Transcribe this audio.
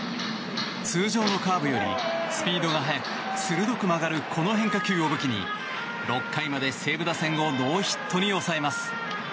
通常のカーブよりスピードが速く鋭く曲がるこの変化球を武器に６回まで西武打線をノーヒットに抑えます。